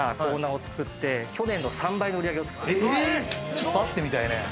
ちょっと会ってみたいね。